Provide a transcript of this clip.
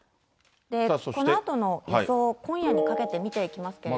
このあとの予想、今夜にかけて見ていきますけれども。